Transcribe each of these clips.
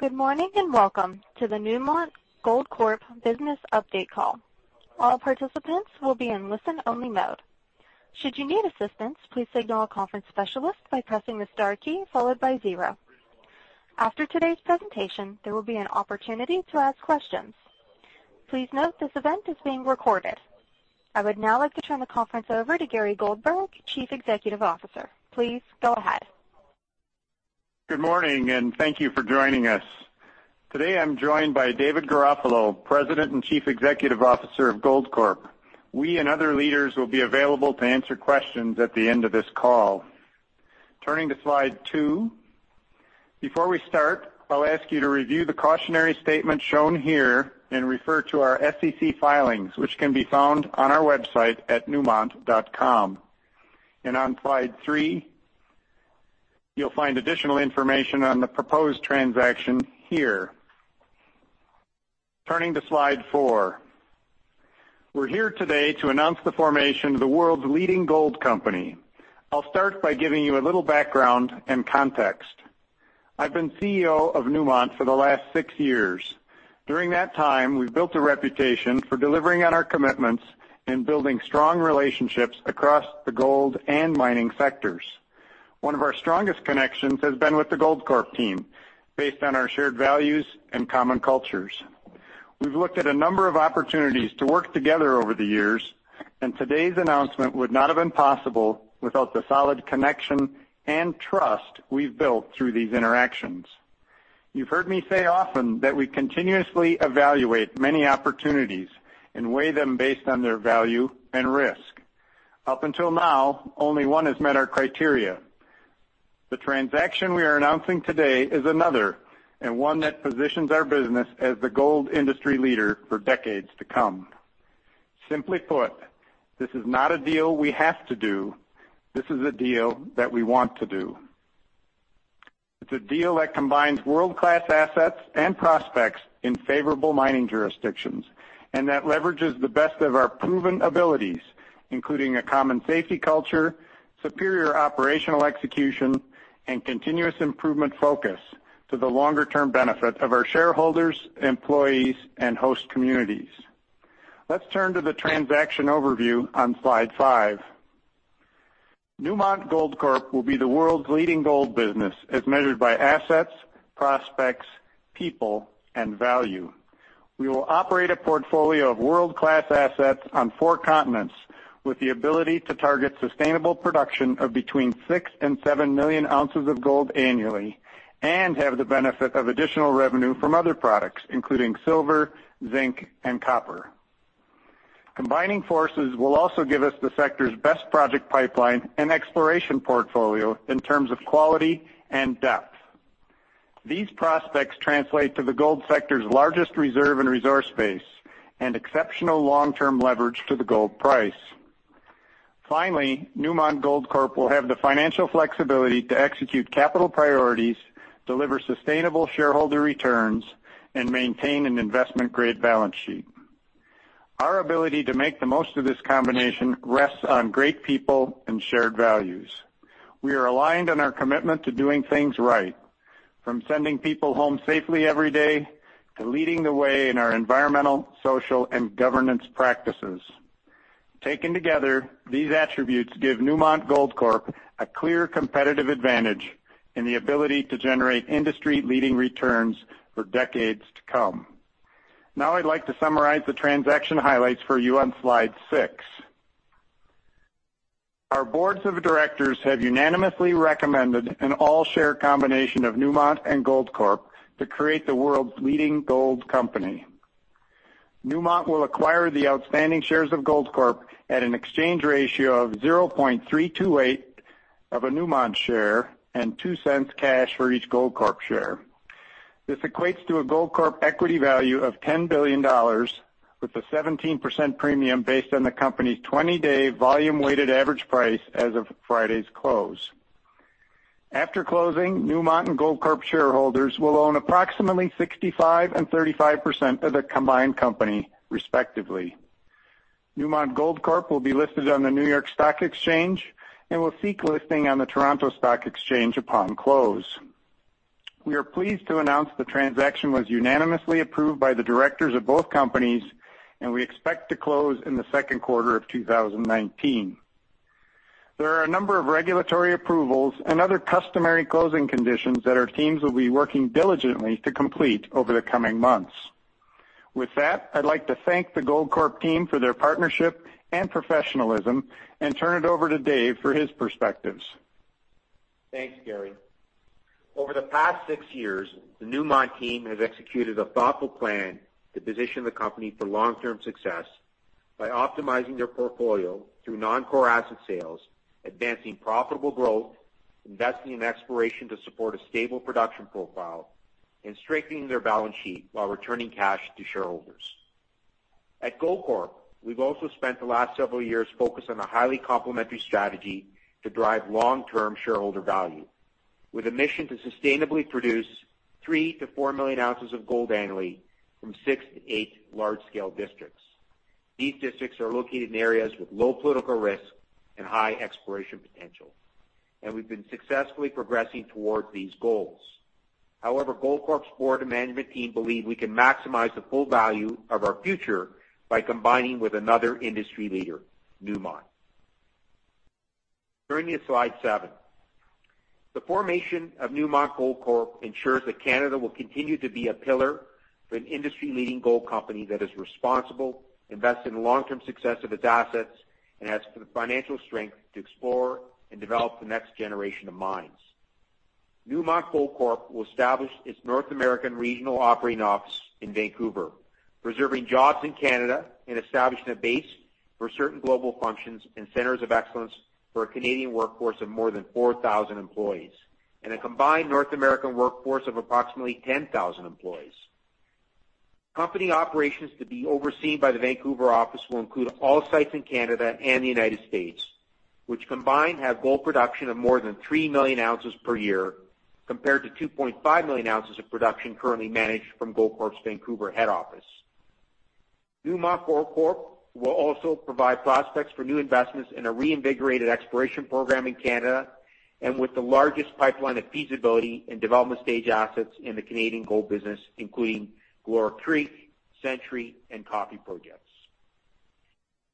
Good morning, and welcome to the Newmont Goldcorp business update call. All participants will be in listen-only mode. Should you need assistance, please signal a conference specialist by pressing the star key followed by zero. After today's presentation, there will be an opportunity to ask questions. Please note this event is being recorded. I would now like to turn the conference over to Gary Goldberg, Chief Executive Officer. Please go ahead. Good morning. Thank you for joining us. Today, I'm joined by David Garofalo, President and Chief Executive Officer of Goldcorp. We and other leaders will be available to answer questions at the end of this call. Turning to slide two. Before we start, I'll ask you to review the cautionary statement shown here and refer to our SEC filings, which can be found on our website at newmont.com. On slide three, you'll find additional information on the proposed transaction here. Turning to slide four. We're here today to announce the formation of the world's leading gold company. I'll start by giving you a little background and context. I've been CEO of Newmont for the last six years. During that time, we've built a reputation for delivering on our commitments and building strong relationships across the gold and mining sectors. One of our strongest connections has been with the Goldcorp team, based on our shared values and common cultures. We've looked at a number of opportunities to work together over the years. Today's announcement would not have been possible without the solid connection and trust we've built through these interactions. You've heard me say often that we continuously evaluate many opportunities and weigh them based on their value and risk. Up until now, only one has met our criteria. The transaction we are announcing today is another. One that positions our business as the gold industry leader for decades to come. Simply put, this is not a deal we have to do. This is a deal that we want to do. It's a deal that combines world-class assets and prospects in favorable mining jurisdictions and that leverages the best of our proven abilities, including a common safety culture, superior operational execution, and continuous improvement focus to the longer-term benefit of our shareholders, employees, and host communities. Let's turn to the transaction overview on slide five. Newmont Goldcorp will be the world's leading gold business as measured by assets, prospects, people, and value. We will operate a portfolio of world-class assets on four continents with the ability to target sustainable production of between six and seven million ounces of gold annually and have the benefit of additional revenue from other products, including silver, zinc, and copper. Combining forces will also give us the sector's best project pipeline and exploration portfolio in terms of quality and depth. These prospects translate to the gold sector's largest reserve and resource base and exceptional long-term leverage to the gold price. Finally, Newmont Goldcorp will have the financial flexibility to execute capital priorities, deliver sustainable shareholder returns, and maintain an investment-grade balance sheet. Our ability to make the most of this combination rests on great people and shared values. We are aligned in our commitment to doing things right, from sending people home safely every day to leading the way in our environmental, social, and governance practices. Taken together, these attributes give Newmont Goldcorp a clear competitive advantage and the ability to generate industry-leading returns for decades to come. Now I'd like to summarize the transaction highlights for you on slide six. Our boards of directors have unanimously recommended an all-share combination of Newmont and Goldcorp to create the world's leading gold company. Newmont will acquire the outstanding shares of Goldcorp at an exchange ratio of 0.328 of a Newmont share and $0.02 cash for each Goldcorp share. This equates to a Goldcorp equity value of $10 billion with a 17% premium based on the company's 20-day volume weighted average price as of Friday's close. After closing, Newmont and Goldcorp shareholders will own approximately 65% and 35% of the combined company, respectively. Newmont Goldcorp will be listed on the New York Stock Exchange and will seek listing on the Toronto Stock Exchange upon close. We are pleased to announce the transaction was unanimously approved by the directors of both companies, and we expect to close in the second quarter of 2019. There are a number of regulatory approvals and other customary closing conditions that our teams will be working diligently to complete over the coming months. With that, I'd like to thank the Goldcorp team for their partnership and professionalism and turn it over to Dave for his perspectives. Thanks, Gary. Over the past six years, the Newmont team has executed a thoughtful plan to position the company for long-term success by optimizing their portfolio through non-core asset sales, advancing profitable growth, investing in exploration to support a stable production profile, and strengthening their balance sheet while returning cash to shareholders. At Goldcorp, we've also spent the last several years focused on a highly complementary strategy to drive long-term shareholder value with a mission to sustainably produce 3 million-4 million ounces of gold annually from 6-8 large-scale districts. These districts are located in areas with low political risk and high exploration potential. We've been successfully progressing towards these goals. However, Goldcorp's board and management team believe we can maximize the Full Potential value of our future by combining with another industry leader, Newmont. Turning to Slide seven. The formation of Newmont Goldcorp ensures that Canada will continue to be a pillar for an industry-leading gold company that is responsible, invests in the long-term success of its assets, and has the financial strength to explore and develop the next generation of mines. Newmont Goldcorp will establish its North American regional operating office in Vancouver, preserving jobs in Canada and establishing a base for certain global functions and centers of excellence for a Canadian workforce of more than 4,000 employees, and a combined North American workforce of approximately 10,000 employees. Company operations to be overseen by the Vancouver office will include all sites in Canada and the United States, which combined have gold production of more than 3 million ounces per year, compared to 2.5 million ounces of production currently managed from Goldcorp's Vancouver head office. Newmont Goldcorp will also provide prospects for new investments in a reinvigorated exploration program in Canada, with the largest pipeline of feasibility and development stage assets in the Canadian gold business, including Galore Creek, Century, and Coffee projects.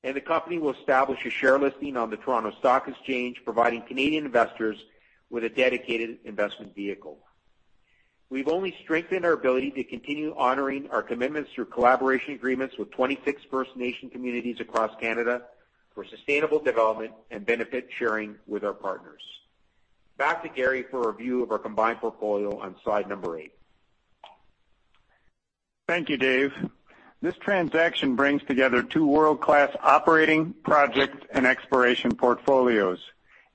The company will establish a share listing on the Toronto Stock Exchange, providing Canadian investors with a dedicated investment vehicle. We've only strengthened our ability to continue honoring our commitments through collaboration agreements with 26 First Nation communities across Canada for sustainable development and benefit sharing with our partners. Back to Gary for a review of our combined portfolio on Slide number eight. Thank you, Dave. This transaction brings together two world-class operating, project, and exploration portfolios.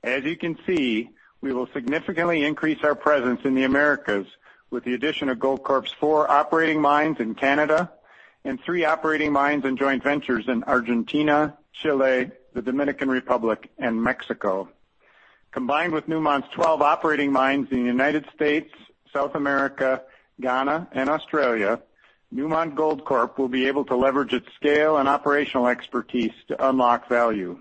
As you can see, we will significantly increase our presence in the Americas with the addition of Goldcorp's four operating mines in Canada and three operating mines and joint ventures in Argentina, Chile, the Dominican Republic, and Mexico. Combined with Newmont's 12 operating mines in the United States, South America, Ghana, and Australia, Newmont Goldcorp will be able to leverage its scale and operational expertise to unlock value.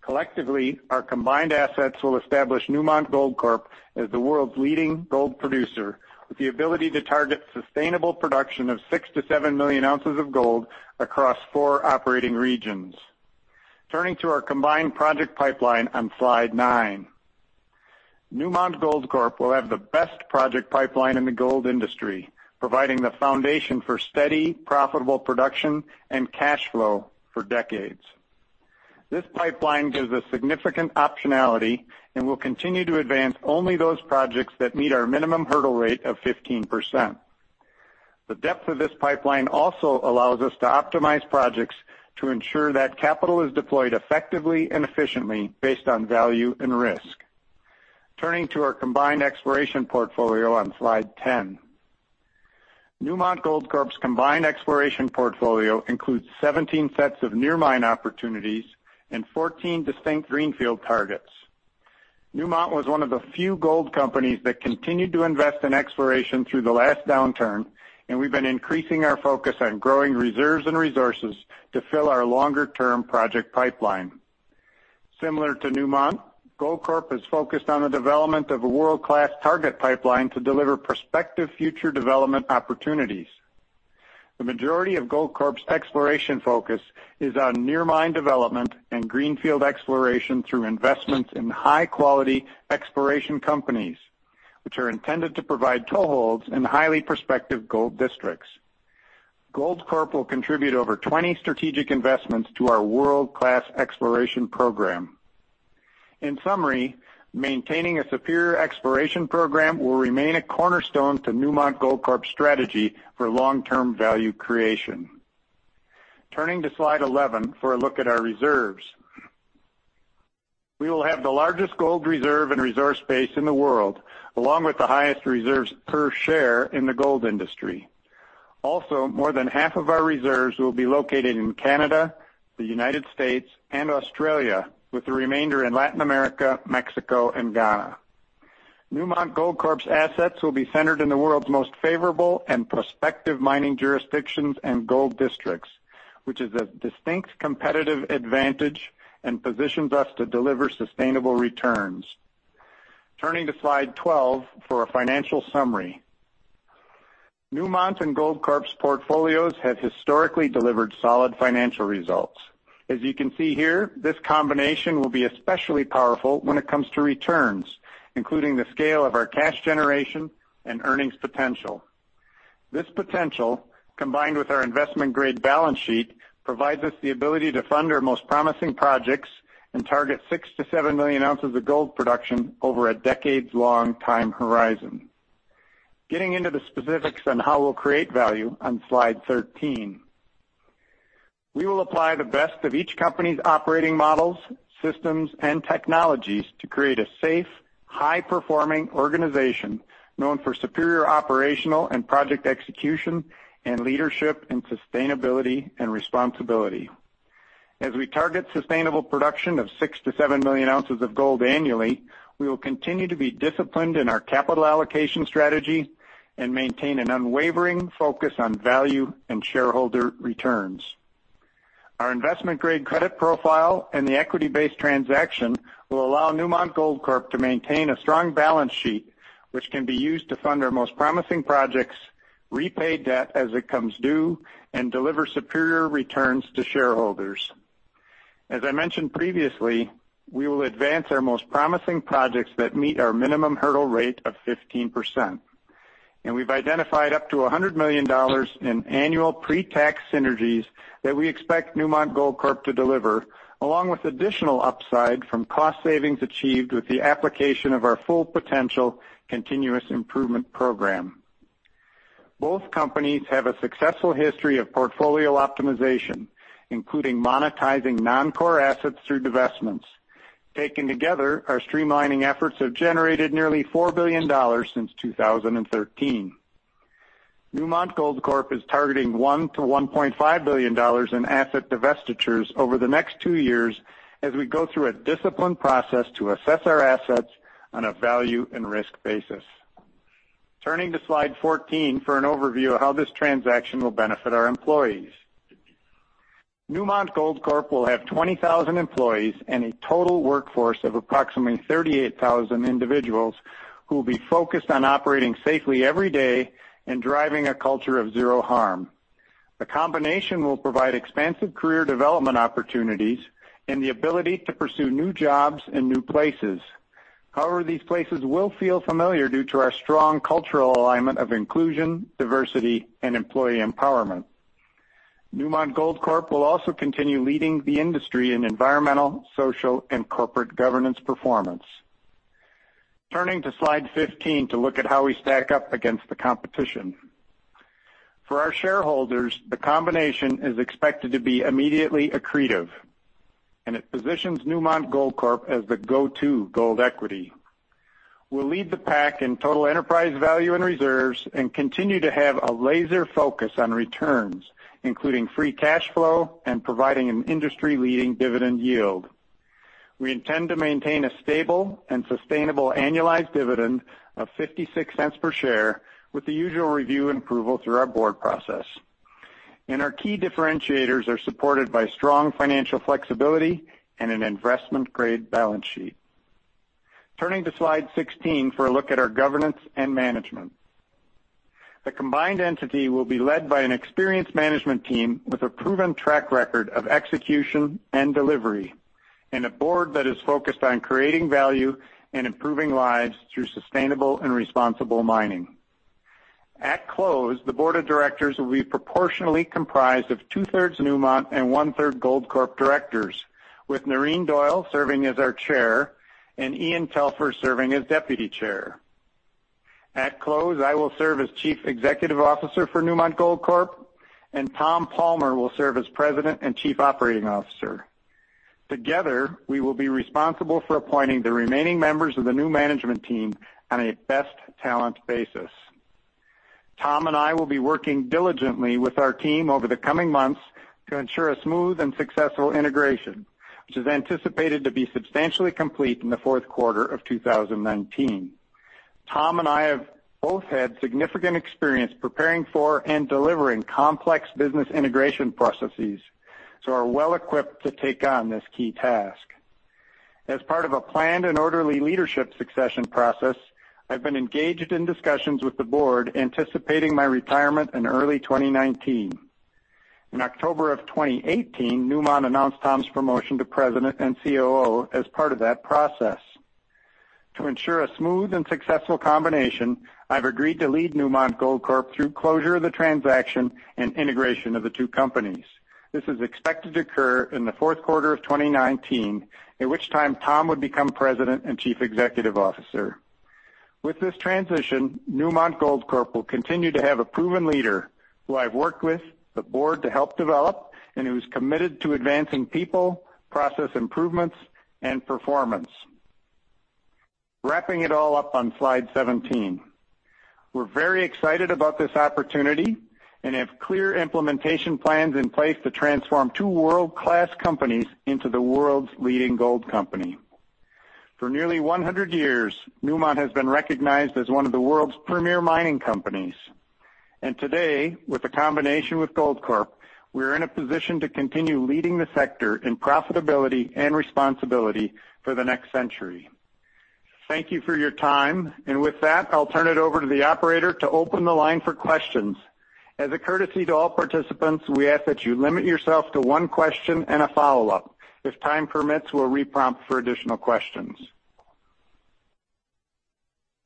Collectively, our combined assets will establish Newmont Goldcorp as the world's leading gold producer with the ability to target sustainable production of 6 to 7 million ounces of gold across four operating regions. Turning to our combined project pipeline on Slide nine. Newmont Goldcorp will have the best project pipeline in the gold industry, providing the foundation for steady, profitable production and cash flow for decades. This pipeline gives us significant optionality and will continue to advance only those projects that meet our minimum hurdle rate of 15%. The depth of this pipeline also allows us to optimize projects to ensure that capital is deployed effectively and efficiently based on value and risk. Turning to our combined exploration portfolio on Slide 10. Newmont Goldcorp's combined exploration portfolio includes 17 sets of near mine opportunities and 14 distinct greenfield targets. Newmont was one of the few gold companies that continued to invest in exploration through the last downturn, and we've been increasing our focus on growing reserves and resources to fill our longer-term project pipeline. Similar to Newmont, Goldcorp is focused on the development of a world-class target pipeline to deliver prospective future development opportunities. The majority of Goldcorp's exploration focus is on near mine development and greenfield exploration through investments in high-quality exploration companies, which are intended to provide toeholds in highly prospective gold districts. Goldcorp will contribute over 20 strategic investments to our world-class exploration program. In summary, maintaining a superior exploration program will remain a cornerstone to Newmont Goldcorp's strategy for long-term value creation. Turning to Slide 11 for a look at our reserves. We will have the largest gold reserve and resource base in the world, along with the highest reserves per share in the gold industry. Also, more than half of our reserves will be located in Canada, the United States, and Australia, with the remainder in Latin America, Mexico, and Ghana. Newmont Goldcorp's assets will be centered in the world's most favorable and prospective mining jurisdictions and gold districts, which is a distinct competitive advantage and positions us to deliver sustainable returns. Turning to Slide 12 for a financial summary. Newmont and Goldcorp's portfolios have historically delivered solid financial results. As you can see here, this combination will be especially powerful when it comes to returns, including the scale of our cash generation and earnings potential. This potential, combined with our investment-grade balance sheet, provides us the ability to fund our most promising projects and target six to seven million ounces of gold production over a decades-long time horizon. Getting into the specifics on how we'll create value on Slide 13. We will apply the best of each company's operating models, systems, and technologies to create a safe, high-performing organization known for superior operational and project execution and leadership in sustainability and responsibility. As we target sustainable production of six to seven million ounces of gold annually, we will continue to be disciplined in our capital allocation strategy and maintain an unwavering focus on value and shareholder returns. Our investment-grade credit profile and the equity-based transaction will allow Newmont Goldcorp to maintain a strong balance sheet, which can be used to fund our most promising projects, repay debt as it comes due, and deliver superior returns to shareholders. As I mentioned previously, we will advance our most promising projects that meet our minimum hurdle rate of 15%. We've identified up to $100 million in annual pre-tax synergies that we expect Newmont Goldcorp to deliver, along with additional upside from cost savings achieved with the application of our Full Potential continuous improvement program. Both companies have a successful history of portfolio optimization, including monetizing non-core assets through divestments. Taken together, our streamlining efforts have generated nearly $4 billion since 2013. Newmont Goldcorp is targeting one to $1.5 billion in asset divestitures over the next two years, as we go through a disciplined process to assess our assets on a value and risk basis. Turning to Slide 14 for an overview of how this transaction will benefit our employees. Newmont Goldcorp will have 20,000 employees and a total workforce of approximately 38,000 individuals who will be focused on operating safely every day and driving a culture of zero harm. The combination will provide expansive career development opportunities and the ability to pursue new jobs in new places. However, these places will feel familiar due to our strong cultural alignment of inclusion, diversity, and employee empowerment. Newmont Goldcorp will also continue leading the industry in environmental, social, and corporate governance performance. Turning to slide 15 to look at how we stack up against the competition. For our shareholders, the combination is expected to be immediately accretive, and it positions Newmont Goldcorp as the go-to gold equity. We'll lead the pack in total enterprise value and reserves and continue to have a laser focus on returns, including free cash flow and providing an industry-leading dividend yield. We intend to maintain a stable and sustainable annualized dividend of $0.56 per share, with the usual review and approval through our board process. Our key differentiators are supported by strong financial flexibility and an investment-grade balance sheet. Turning to slide 16 for a look at our governance and management. The combined entity will be led by an experienced management team with a proven track record of execution and delivery, and a board that is focused on creating value and improving lives through sustainable and responsible mining. At close, the board of directors will be proportionally comprised of two-thirds Newmont and one-third Goldcorp directors, with Noreen Doyle serving as our chair and Ian Telfer serving as deputy chair. At close, I will serve as Chief Executive Officer for Newmont Goldcorp, and Tom Palmer will serve as President and Chief Operating Officer. Together, we will be responsible for appointing the remaining members of the new management team on a best talent basis. Tom and I will be working diligently with our team over the coming months to ensure a smooth and successful integration, which is anticipated to be substantially complete in the fourth quarter of 2019. Tom and I have both had significant experience preparing for and delivering complex business integration processes, so are well-equipped to take on this key task. As part of a planned and orderly leadership succession process, I've been engaged in discussions with the board, anticipating my retirement in early 2019. In October of 2018, Newmont announced Tom's promotion to President and COO as part of that process. To ensure a smooth and successful combination, I've agreed to lead Newmont Goldcorp through closure of the transaction and integration of the two companies. This is expected to occur in the fourth quarter of 2019, at which time Tom would become President and Chief Executive Officer. With this transition, Newmont Goldcorp will continue to have a proven leader who I've worked with the board to help develop and who's committed to advancing people, process improvements, and performance. Wrapping it all up on slide 17. We're very excited about this opportunity and have clear implementation plans in place to transform two world-class companies into the world's leading gold company. For nearly 100 years, Newmont has been recognized as one of the world's premier mining companies. Today, with the combination with Goldcorp, we're in a position to continue leading the sector in profitability and responsibility for the next century. Thank you for your time. With that, I'll turn it over to the operator to open the line for questions. As a courtesy to all participants, we ask that you limit yourself to one question and a follow-up. If time permits, we'll re-prompt for additional questions.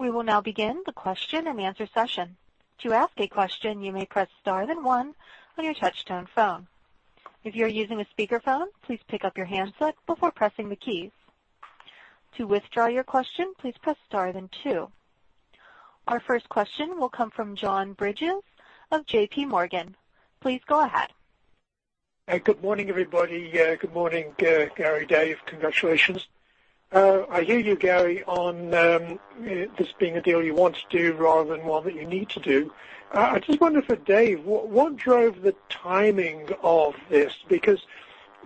We will now begin the question and answer session. To ask a question, you may press star then 1 on your touch-tone phone. If you are using a speakerphone, please pick up your handset before pressing the keys. To withdraw your question, please press star then 2. Our first question will come from John Bridges of J.P. Morgan. Please go ahead. Good morning, everybody. Good morning, Gary, Dave. Congratulations. I hear you, Gary, on this being a deal you want to do rather than one that you need to do. I just wonder for Dave, what drove the timing of this?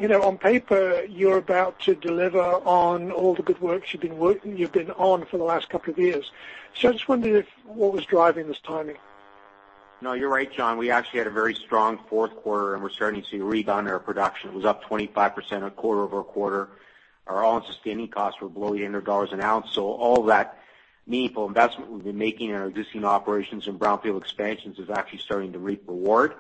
On paper, you're about to deliver on all the good work you've been on for the last couple of years. I just wondered what was driving this timing. No, you're right, John. We actually had a very strong fourth quarter, and we're starting to see a rebound in our production. It was up 25% quarter-over-quarter. Our all-in sustaining costs were below $800 an ounce. All that meaningful investment we've been making in our existing operations and brownfield expansions is actually starting to reap reward.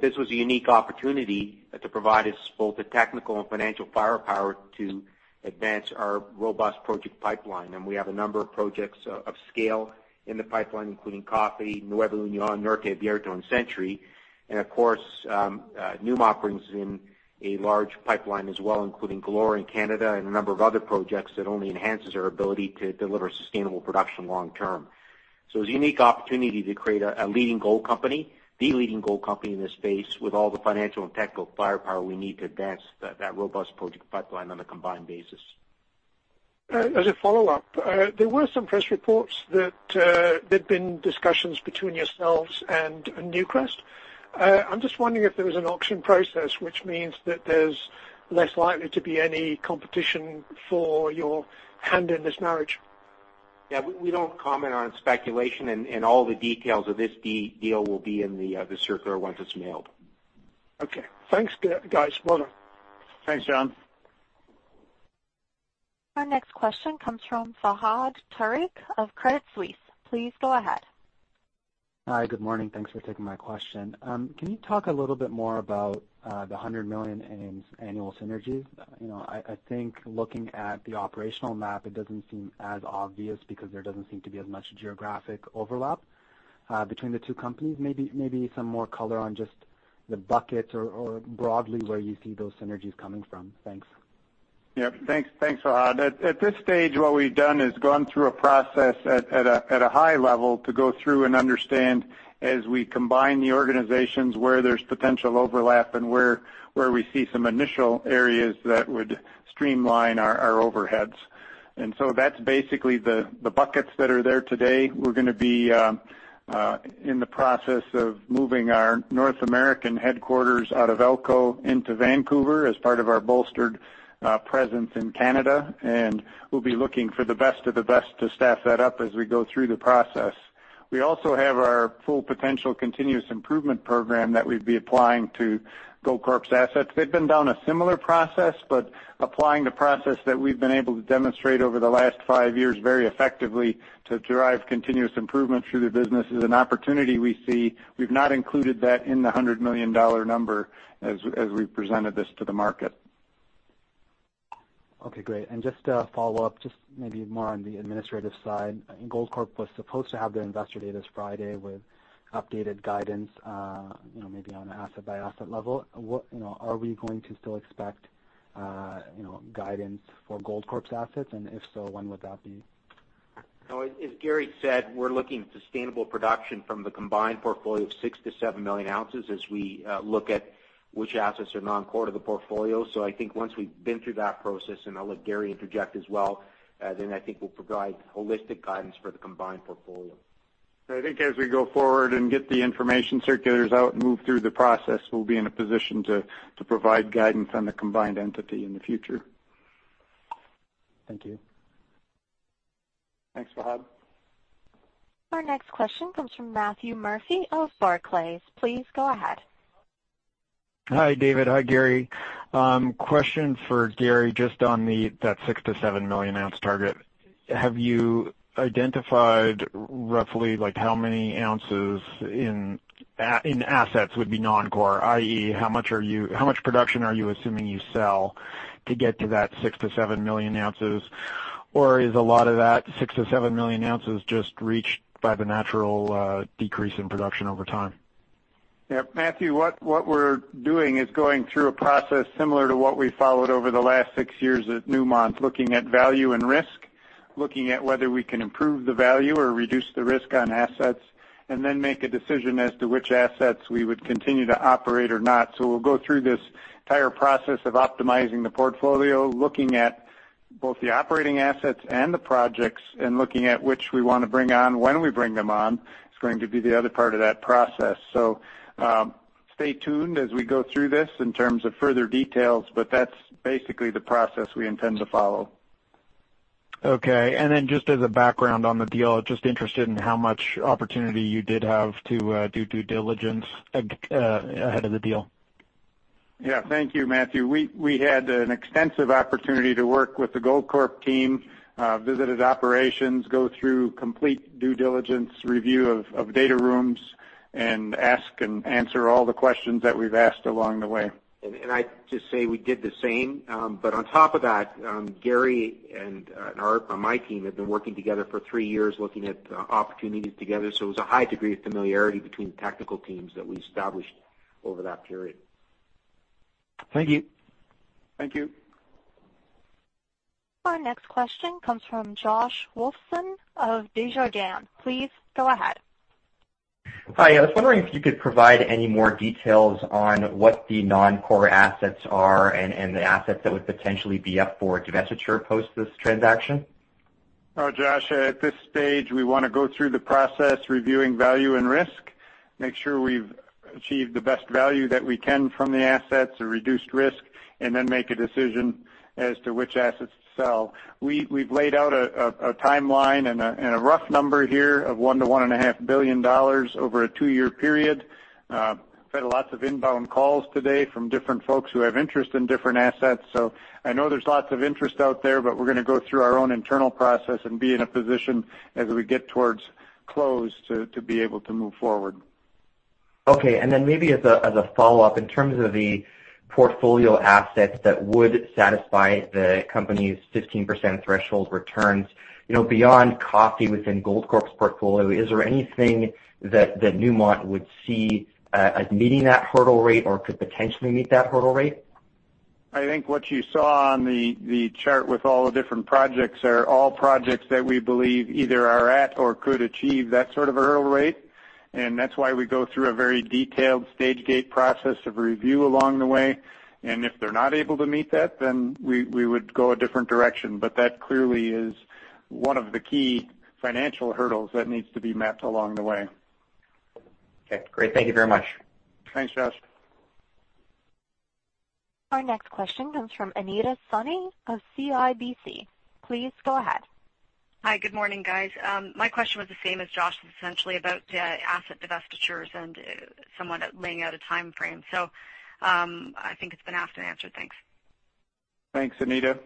This was a unique opportunity to provide us both the technical and financial firepower to advance our robust project pipeline. We have a number of projects of scale in the pipeline, including Coffee, NuevaUnión, Norte, Viihto, and Century. Of course, Newmont brings in a large pipeline as well, including Galore in Canada and a number of other projects that only enhances our ability to deliver sustainable production long term. It's a unique opportunity to create a leading gold company, the leading gold company in this space, with all the financial and technical firepower we need to advance that robust project pipeline on a combined basis. As a follow-up, there were some press reports that there'd been discussions between yourselves and Newcrest. I'm just wondering if there was an auction process, which means that there's less likely to be any competition for your hand in this marriage. Yeah, we don't comment on speculation, and all the details of this deal will be in the circular once it's mailed. Okay. Thanks, guys. Well done. Thanks, John. Our next question comes from Fahad Tariq of Credit Suisse. Please go ahead. Hi. Good morning. Thanks for taking my question. Can you talk a little bit more about the $100 million in annual synergies? I think looking at the operational map, it doesn't seem as obvious because there doesn't seem to be as much geographic overlap between the two companies. Maybe some more color on just the buckets or broadly where you see those synergies coming from. Thanks. Yep. Thanks, Fahad. At this stage, what we've done is gone through a process at a high level to go through and understand, as we combine the organizations, where there's potential overlap and where we see some initial areas that would streamline our overheads. That's basically the buckets that are there today. We're going to be in the process of moving our North American headquarters out of Elko into Vancouver as part of our bolstered presence in Canada, and we'll be looking for the best of the best to staff that up as we go through the process. We also have our Full Potential continuous improvement program that we'd be applying to Goldcorp's assets. Applying the process that we've been able to demonstrate over the last 5 years very effectively to drive continuous improvement through the business is an opportunity we see. We've not included that in the $100 million number as we presented this to the market. Okay, great. Just a follow-up, just maybe more on the administrative side. Goldcorp was supposed to have their investor date this Friday with updated guidance maybe on an asset-by-asset level. Are we going to still expect guidance for Goldcorp's assets? If so, when would that be? As Gary said, we're looking at sustainable production from the combined portfolio of 6 million to 7 million ounces as we look at which assets are non-core to the portfolio. I think once we've been through that process, I'll let Gary interject as well. I think we'll provide holistic guidance for the combined portfolio. I think as we go forward, get the information circulars out, move through the process, we'll be in a position to provide guidance on the combined entity in the future. Thank you. Thanks, Fahad. Our next question comes from Matthew Murphy of Barclays. Please go ahead. Hi, David. Hi, Gary. Question for Gary, just on that six to seven-million-ounce target. Have you identified roughly how many ounces in assets would be non-core? i.e., how much production are you assuming you sell to get to that six to seven million ounces? Or is a lot of that six to seven million ounces just reached by the natural decrease in production over time? Yep. Matthew, what we're doing is going through a process similar to what we followed over the last six years at Newmont, looking at value and risk, looking at whether we can improve the value or reduce the risk on assets. Then make a decision as to which assets we would continue to operate or not. We'll go through this entire process of optimizing the portfolio, looking at both the operating assets and the projects, and looking at which we want to bring on. When we bring them on is going to be the other part of that process. Stay tuned as we go through this in terms of further details, but that's basically the process we intend to follow. Okay. Just as a background on the deal, just interested in how much opportunity you did have to do due diligence ahead of the deal. Yeah. Thank you, Matthew. We had an extensive opportunity to work with the Goldcorp team, visited operations, go through complete due diligence, review of data rooms, and ask and answer all the questions that we've asked along the way. I'd just say we did the same. On top of that, Gary and Art on my team have been working together for three years, looking at opportunities together. It was a high degree of familiarity between the technical teams that we established over that period. Thank you. Thank you. Our next question comes from Josh Wolfson of Desjardins. Please go ahead. Hi. I was wondering if you could provide any more details on what the non-core assets are and the assets that would potentially be up for divestiture post this transaction. Well, Josh, at this stage, we want to go through the process, reviewing value and risk, make sure we've achieved the best value that we can from the assets or reduced risk, and then make a decision as to which assets to sell. We've laid out a timeline and a rough number here of $1 billion-$1.5 billion over a two-year period. We've had lots of inbound calls today from different folks who have interest in different assets. I know there's lots of interest out there, we're going to go through our own internal process and be in a position as we get towards close to be able to move forward. Okay, maybe as a follow-up, in terms of the portfolio assets that would satisfy the company's 15% threshold returns, beyond Coffee within Goldcorp's portfolio, is there anything that Newmont would see as meeting that hurdle rate or could potentially meet that hurdle rate? I think what you saw on the chart with all the different projects are all projects that we believe either are at or could achieve that sort of a hurdle rate. That's why we go through a very detailed stage gate process of review along the way. If they're not able to meet that, we would go a different direction. That clearly is one of the key financial hurdles that needs to be met along the way. Okay, great. Thank you very much. Thanks, Josh. Our next question comes from Anita Soni of CIBC. Please go ahead. Hi. Good morning, guys. My question was the same as Josh, essentially about the asset divestitures and somewhat laying out a timeframe. I think it's been asked and answered. Thanks. Thanks, Anita.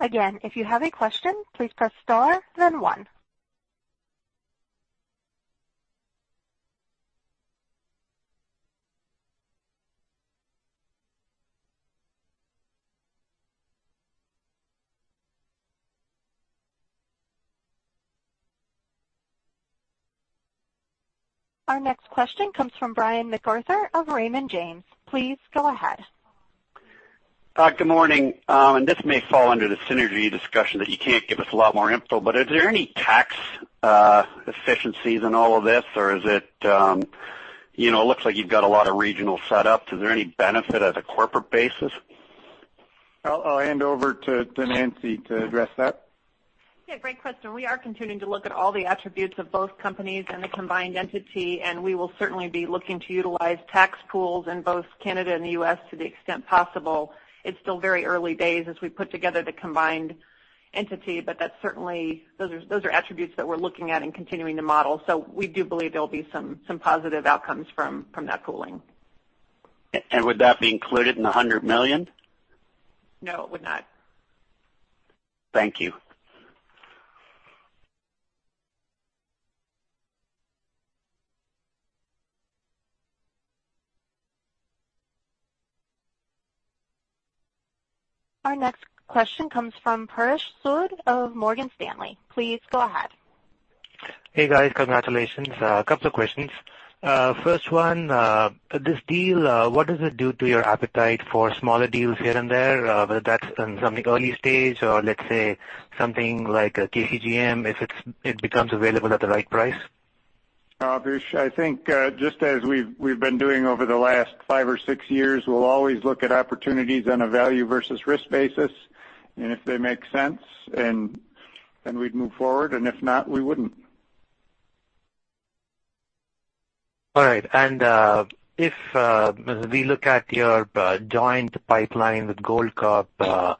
Again, if you have a question, please press star, then one. Our next question comes from Brian MacArthur of Raymond James. Please go ahead. Good morning. This may fall under the synergy discussion that you can't give us a lot more info, but is there any tax efficiencies in all of this? It looks like you've got a lot of regional setup. Is there any benefit at a corporate basis? I'll hand over to Nancy to address that. Great question. We are continuing to look at all the attributes of both companies and the combined entity, we will certainly be looking to utilize tax pools in both Canada and the U.S. to the extent possible. It's still very early days as we put together the combined entity, those are attributes that we're looking at and continuing to model. We do believe there'll be some positive outcomes from that pooling. Would that be included in the $100 million? No, it would not. Thank you. Our next question comes from Paresh Sood of Morgan Stanley. Please go ahead. Hey, guys. Congratulations. A couple of questions. First one, this deal, what does it do to your appetite for smaller deals here and there, whether that's in something early stage or, let's say, something like KCGM, if it becomes available at the right price? Paresh, I think, just as we've been doing over the last five or six years, we'll always look at opportunities on a value versus risk basis. If they make sense, then we'd move forward, and if not, we wouldn't. All right. If we look at your joint pipeline with Goldcorp,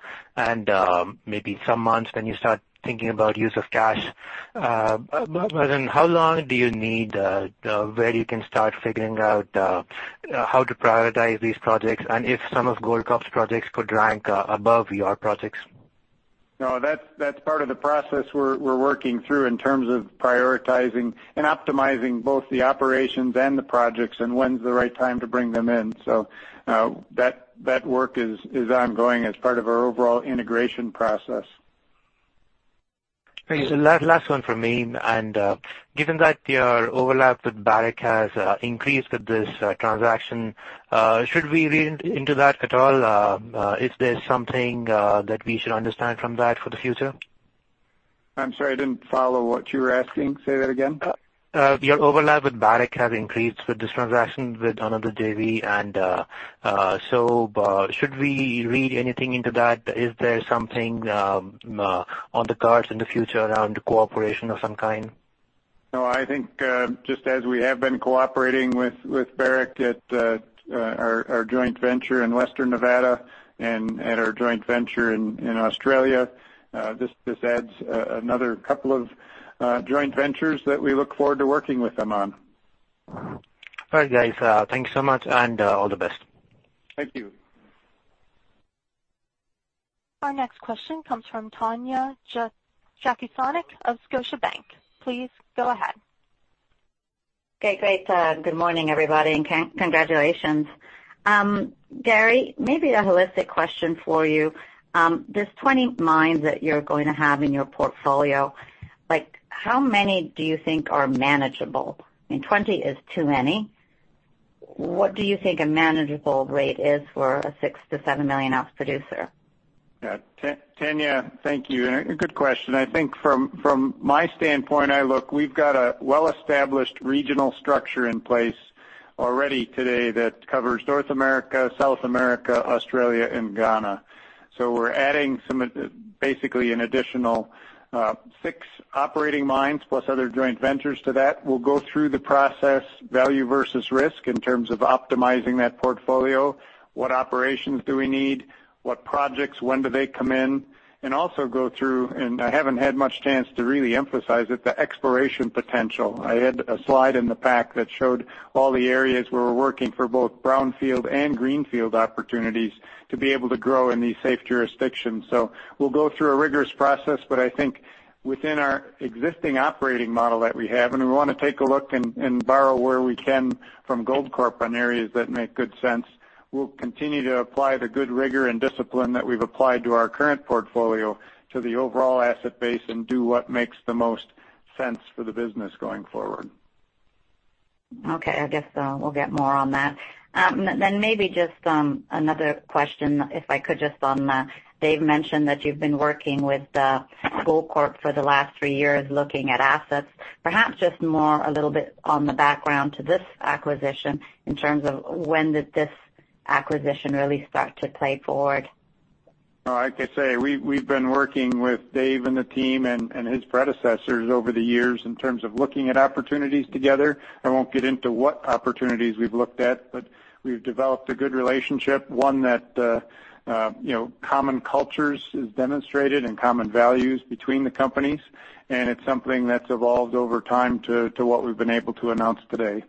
maybe in some months, then you start thinking about use of cash. How long do you need where you can start figuring out how to prioritize these projects and if some of Goldcorp's projects could rank above your projects? No, that's part of the process we're working through in terms of prioritizing and optimizing both the operations and the projects and when's the right time to bring them in. That work is ongoing as part of our overall integration process. Thanks. Given that your overlap with Barrick has increased with this transaction, should we read into that at all? Is there something that we should understand from that for the future? I'm sorry, I didn't follow what you were asking. Say that again. Your overlap with Barrick has increased with this transaction with another JV, should we read anything into that? Is there something on the cards in the future around cooperation of some kind? No, I think, just as we have been cooperating with Barrick at our joint venture in Western Nevada and at our joint venture in Australia, this adds another couple of joint ventures that we look forward to working with them on. All right, guys. Thanks so much, all the best. Thank you. Our next question comes from Tanya Jakusconek of Scotiabank. Please go ahead. Okay, great. Good morning, everybody, congratulations. Gary, maybe a holistic question for you. There's 20 mines that you're going to have in your portfolio. How many do you think are manageable? I mean, 20 is too many What do you think a manageable rate is for a six to seven-million-ounce producer? Yeah. Tanya, thank you, and a good question. From my standpoint, we've got a well-established regional structure in place already today that covers North America, South America, Australia, and Ghana. We're adding basically an additional six operating mines plus other joint ventures to that. We'll go through the process, value versus risk in terms of optimizing that portfolio, what operations do we need, what projects, when do they come in, and also go through, and I haven't had much chance to really emphasize it, the exploration potential. I had a slide in the pack that showed all the areas where we're working for both brownfield and greenfield opportunities to be able to grow in these safe jurisdictions. We'll go through a rigorous process, but I think within our existing operating model that we have, and we want to take a look and borrow where we can from Goldcorp on areas that make good sense. We'll continue to apply the good rigor and discipline that we've applied to our current portfolio to the overall asset base and do what makes the most sense for the business going forward. Okay. I guess, we'll get more on that. Maybe just another question, if I could, just on, Dave mentioned that you've been working with Goldcorp for the last three years looking at assets. Perhaps just more a little bit on the background to this acquisition in terms of when did this acquisition really start to play forward? Like I say, we've been working with Dave and the team and his predecessors over the years in terms of looking at opportunities together. I won't get into what opportunities we've looked at, we've developed a good relationship, one that common cultures is demonstrated and common values between the companies, and it's something that's evolved over time to what we've been able to announce today.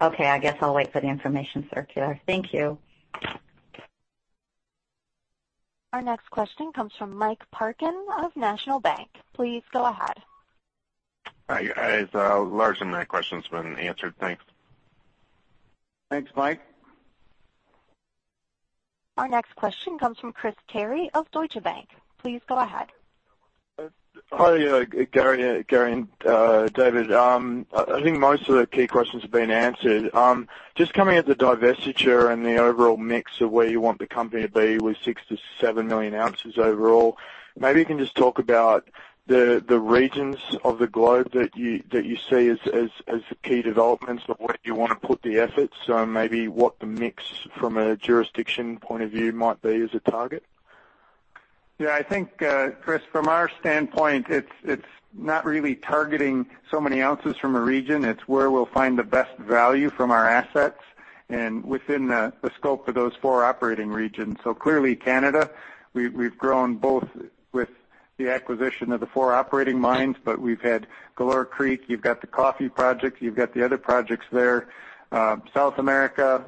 Okay, I guess I'll wait for the information circular. Thank you. Our next question comes from Mike Parkin of National Bank. Please go ahead. Hi, guys. Largely, my question's been answered. Thanks. Thanks, Mike. Our next question comes from Chris Carey of Deutsche Bank. Please go ahead. Hi, Gary and David. I think most of the key questions have been answered. Just coming at the divestiture and the overall mix of where you want the company to be with 6 million-7 million ounces overall, maybe you can just talk about the regions of the globe that you see as the key developments of where you want to put the efforts. Maybe what the mix from a jurisdiction point of view might be as a target? Yeah, I think, Chris, from our standpoint, it's not really targeting so many ounces from a region. It's where we'll find the best value from our assets and within the scope of those four operating regions. Clearly Canada, we've grown both with the acquisition of the four operating mines, but we've had Galore Creek, you've got the Coffee Project, you've got the other projects there. South America,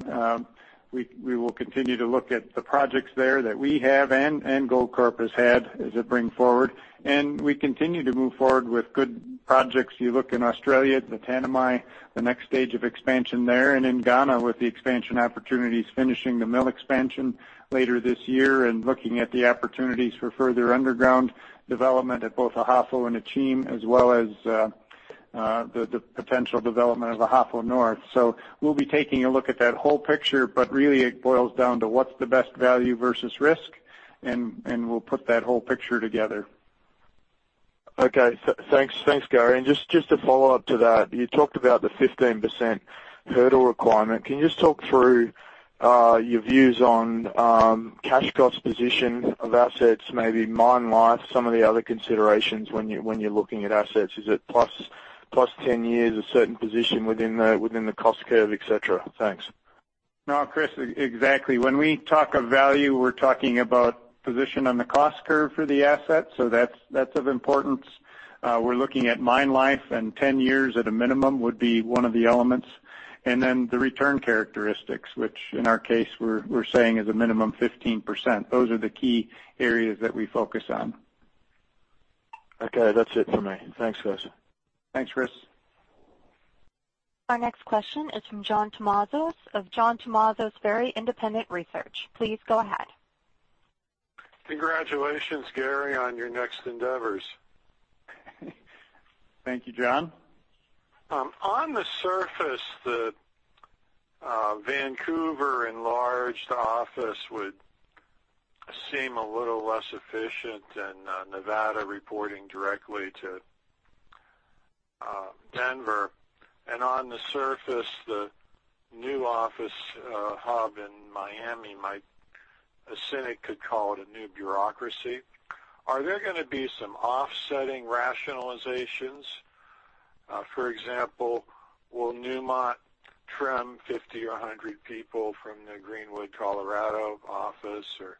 we will continue to look at the projects there that we have and Goldcorp has had as it bring forward. We continue to move forward with good projects. You look in Australia at the Tanami, the next stage of expansion there, and in Ghana with the expansion opportunities, finishing the mill expansion later this year and looking at the opportunities for further underground development at both Ahafo and Akyem, as well as the potential development of Ahafo North. We'll be taking a look at that whole picture, but really it boils down to what's the best value versus risk, and we'll put that whole picture together. Okay. Thanks, Gary. Just to follow up to that, you talked about the 15% hurdle requirement. Can you just talk through your views on cash cost position of assets, maybe mine life, some of the other considerations when you're looking at assets? Is it plus 10 years a certain position within the cost curve, et cetera? Thanks. No, Chris, exactly. When we talk of value, we're talking about position on the cost curve for the asset, so that's of importance. We're looking at mine life and 10 years at a minimum would be one of the elements. Then the return characteristics, which in our case, we're saying is a minimum 15%. Those are the key areas that we focus on. Okay, that's it for me. Thanks guys. Thanks, Chris. Our next question is from John Tumazos of John Tumazos Very Independent Research. Please go ahead. Congratulations, Gary, on your next endeavors. Thank you, John. On the surface, the Vancouver enlarged office would seem a little less efficient than Nevada reporting directly to Denver. On the surface, the new office hub in Miami, a cynic could call it a new bureaucracy. Are there gonna be some offsetting rationalizations? For example, will Newmont trim 50 or 100 people from the Greenwood, Colorado, office or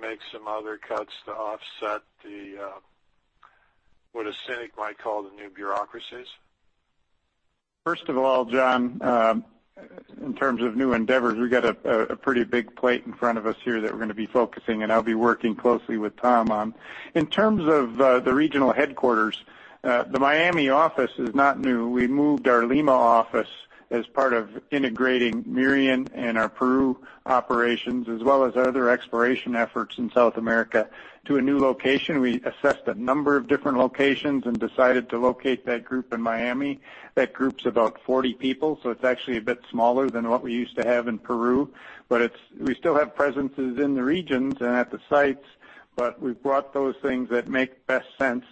make some other cuts to offset what a cynic might call the new bureaucracies? First of all, John, in terms of new endeavors, we've got a pretty big plate in front of us here that we're gonna be focusing and I'll be working closely with Tom on. In terms of the regional headquarters, the Miami office is not new. We moved our Lima office as part of integrating Merian and our Peru operations, as well as other exploration efforts in South America to a new location. We assessed a number of different locations and decided to locate that group in Miami. That group's about 40 people, so it's actually a bit smaller than what we used to have in Peru. We still have presences in the regions and at the sites, but we've brought those things that make best sense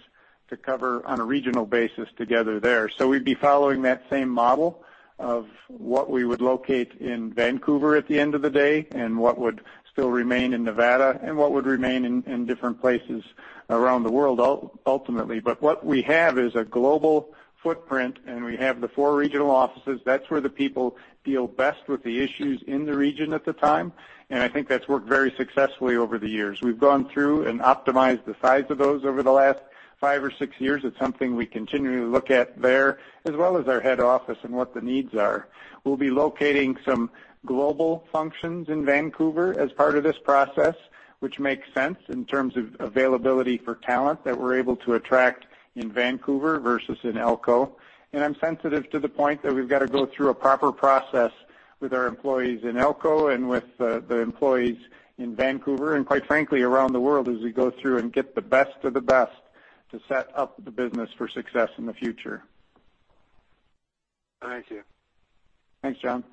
to cover on a regional basis together there. We'd be following that same model of what we would locate in Vancouver at the end of the day, and what would still remain in Nevada, and what would remain in different places around the world ultimately. But what we have is a global footprint, and we have the four regional offices. That's where the people deal best with the issues in the region at the time, and I think that's worked very successfully over the years. We've gone through and optimized the size of those over the last five or six years. It's something we continually look at there, as well as our head office and what the needs are. We'll be locating some global functions in Vancouver as part of this process, which makes sense in terms of availability for talent that we're able to attract in Vancouver versus in Elko. I'm sensitive to the point that we've got to go through a proper process with our employees in Elko and with the employees in Vancouver and, quite frankly, around the world as we go through and get the best of the best to set up the business for success in the future. Thank you. Thanks, John.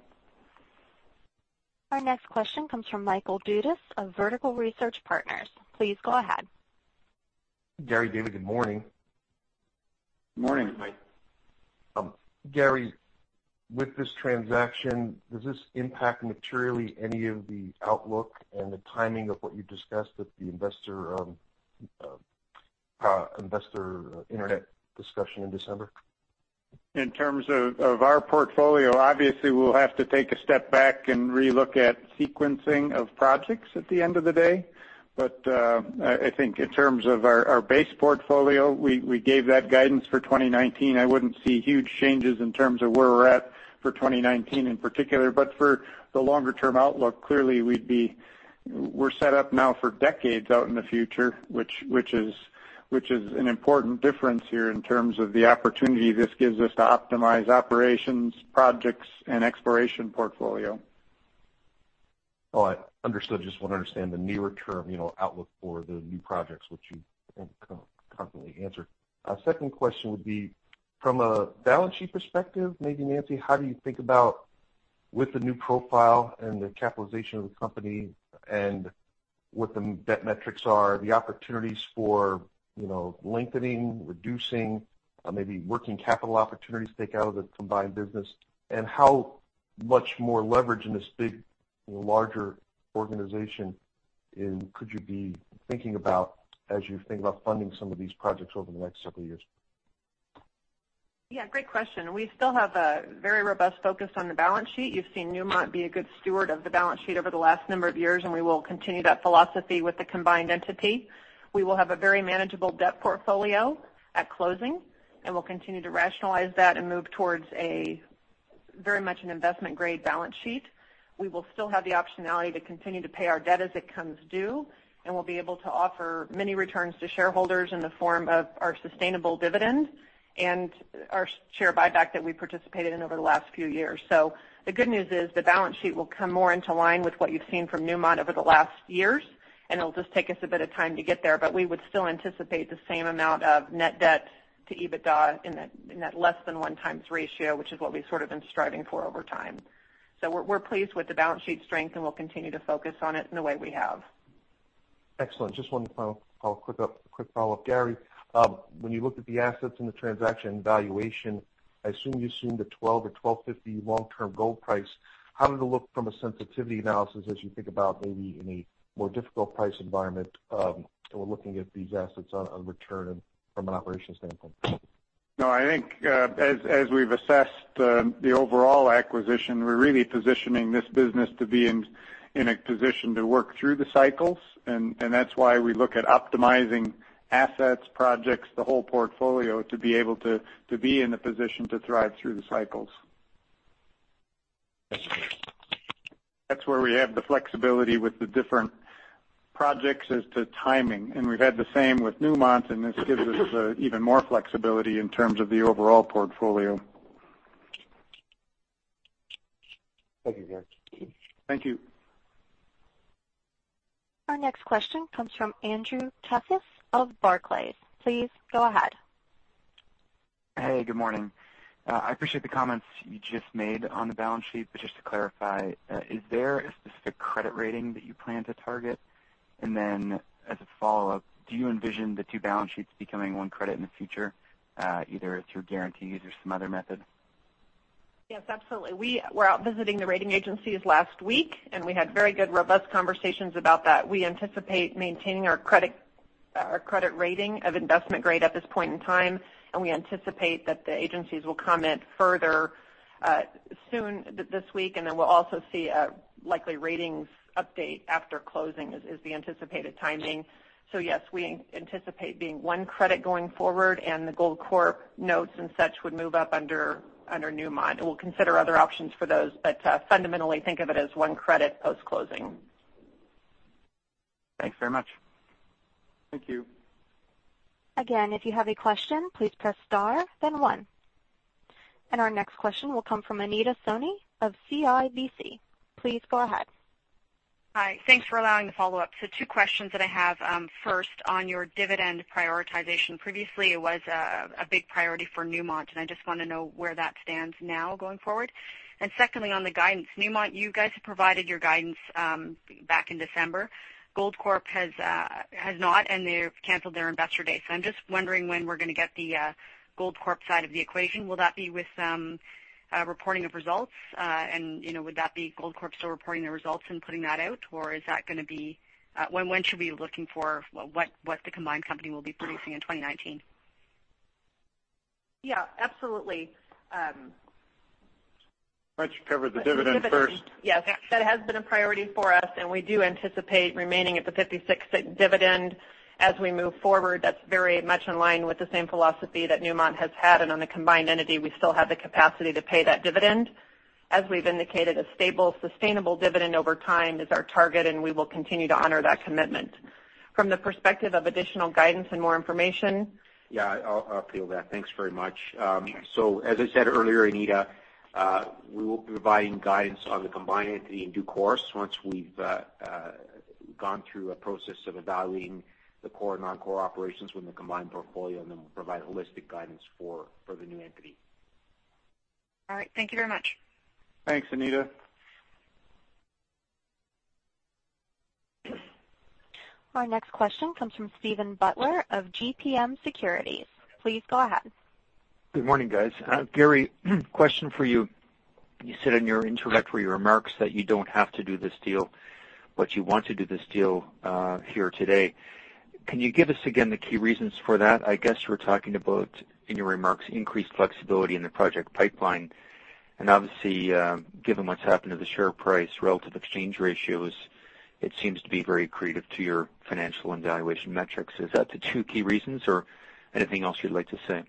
Our next question comes from Michael Dudas of Vertical Research Partners. Please go ahead. Gary, David, good morning. Morning, Mike. Gary, with this transaction, does this impact materially any of the outlook and the timing of what you discussed at the investor internet discussion in December? In terms of our portfolio, obviously, we'll have to take a step back and relook at sequencing of projects at the end of the day. I think in terms of our base portfolio, we gave that guidance for 2019. I wouldn't see huge changes in terms of where we're at for 2019 in particular. For the longer-term outlook, clearly, we're set up now for decades out in the future, which is an important difference here in terms of the opportunity this gives us to optimize operations, projects, and exploration portfolio. All right. Understood. Just want to understand the nearer term outlook for the new projects, which you confidently answered. A second question would be, from a balance sheet perspective, maybe Nancy, how do you think about with the new profile and the capitalization of the company and what the debt metrics are, the opportunities for lengthening, reducing, maybe working capital opportunities to take out of the combined business, and how much more leverage in this big, larger organization could you be thinking about as you think about funding some of these projects over the next several years? Yeah, great question. We still have a very robust focus on the balance sheet. You've seen Newmont be a good steward of the balance sheet over the last number of years. We will continue that philosophy with the combined entity. We will have a very manageable debt portfolio at closing. We'll continue to rationalize that and move towards very much an investment-grade balance sheet. We will still have the optionality to continue to pay our debt as it comes due. We'll be able to offer many returns to shareholders in the form of our sustainable dividend and our share buyback that we participated in over the last few years. The good news is the balance sheet will come more into line with what you've seen from Newmont over the last years, and it'll just take us a bit of time to get there, but we would still anticipate the same amount of net debt to EBITDA in that less than one times ratio, which is what we've sort of been striving for over time. We're pleased with the balance sheet strength, and we'll continue to focus on it in the way we have. Excellent. Just one final quick follow-up. Gary, when you looked at the assets in the transaction valuation, I assume you assumed a $12 or $1,250 long-term gold price. How did it look from a sensitivity analysis as you think about maybe in a more difficult price environment when looking at these assets on return from an operations standpoint? No, I think as we've assessed the overall acquisition, we're really positioning this business to be in a position to work through the cycles, and that's why we look at optimizing assets, projects, the whole portfolio to be able to be in the position to thrive through the cycles. That's clear. That's where we have the flexibility with the different projects as to timing. We've had the same with Newmont, and this gives us even more flexibility in terms of the overall portfolio. Thank you, Gary. Thank you. Our next question comes from Andrew Tuffias of Barclays. Please go ahead. Hey, good morning. I appreciate the comments you just made on the balance sheet, just to clarify, is there a specific credit rating that you plan to target? As a follow-up, do you envision the two balance sheets becoming one credit in the future, either through guarantees or some other method? Yes, absolutely. We were out visiting the rating agencies last week, we had very good, robust conversations about that. We anticipate maintaining our credit rating of investment-grade at this point in time, we anticipate that the agencies will comment further soon this week, we'll also see a likely ratings update after closing is the anticipated timing. Yes, we anticipate being one credit going forward and the Goldcorp notes and such would move up under Newmont. We'll consider other options for those, fundamentally think of it as one credit post-closing. Thanks very much. Thank you. Again, if you have a question, please press star then one. Our next question will come from Anita Soni of CIBC. Please go ahead. Hi. Thanks for allowing the follow-up. Two questions that I have. First, on your dividend prioritization, previously, it was a big priority for Newmont, and I just want to know where that stands now going forward. Secondly, on the guidance, Newmont, you guys have provided your guidance back in December. Goldcorp has not, and they've canceled their investor day. I'm just wondering when we're going to get the Goldcorp side of the equation. Will that be with reporting of results? Would that be Goldcorp still reporting the results and putting that out? Or when should we be looking for what the combined company will be producing in 2019? Yeah, absolutely. Why don't you cover the dividend first? Yes. That has been a priority for us, and we do anticipate remaining at the $0.56 dividend as we move forward. That's very much in line with the same philosophy that Newmont has had. On the combined entity, we still have the capacity to pay that dividend. We've indicated, a stable, sustainable dividend over time is our target, and we will continue to honor that commitment. From the perspective of additional guidance and more information. Yeah, I'll field that. Thanks very much. As I said earlier, Anita, we will be providing guidance on the combined entity in due course once we've gone through a process of evaluating the core and non-core operations when the combined portfolio, then we'll provide holistic guidance for the new entity. All right. Thank you very much. Thanks, Anita. Our next question comes from Stephen Butler of GMP Securities. Please go ahead. Good morning, guys. Gary, question for you. You said in your introductory remarks that you don't have to do this deal, but you want to do this deal here today. Can you give us again the key reasons for that? I guess you were talking about, in your remarks, increased flexibility in the project pipeline, and obviously, given what's happened to the share price, relative exchange ratios, it seems to be very accretive to your financial and valuation metrics. Is that the two key reasons or anything else you'd like to say?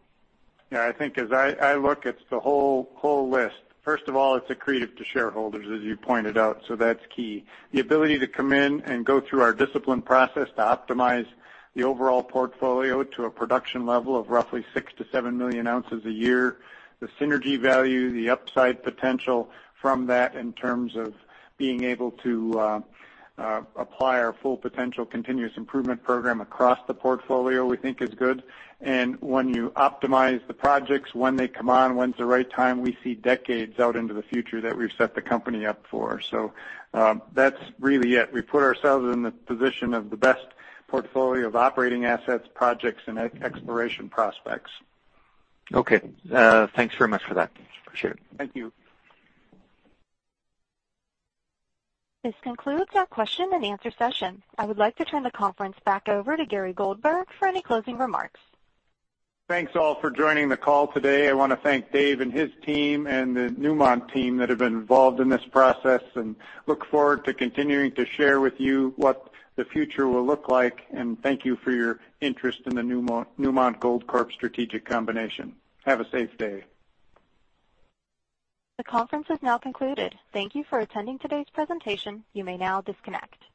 Yeah, I think as I look, it's the whole list. First of all, it's accretive to shareholders, as you pointed out, so that's key. The ability to come in and go through our disciplined process to optimize the overall portfolio to a production level of roughly six to seven million ounces a year, the synergy value, the upside potential from that in terms of being able to apply our Full Potential continuous improvement program across the portfolio we think is good. When you optimize the projects, when they come on, when's the right time, we see decades out into the future that we've set the company up for. That's really it. We put ourselves in the position of the best portfolio of operating assets, projects, and exploration prospects. Okay. Thanks very much for that. Appreciate it. Thank you. This concludes our question and answer session. I would like to turn the conference back over to Gary Goldberg for any closing remarks. Thanks all for joining the call today. I want to thank Dave and his team and the Newmont team that have been involved in this process and look forward to continuing to share with you what the future will look like. Thank you for your interest in the Newmont Goldcorp strategic combination. Have a safe day. The conference has now concluded. Thank you for attending today's presentation. You may now disconnect.